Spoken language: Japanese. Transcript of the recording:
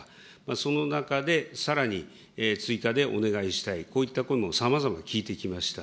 その中でさらに追加でお願いしたい、こういった声もさまざま聞いてきました。